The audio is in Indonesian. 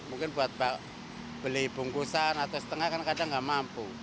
mungkin buat beli bungkusan atau setengah kan kadang nggak mampu